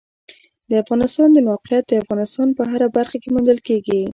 د افغانستان د موقعیت د افغانستان په هره برخه کې موندل کېږي.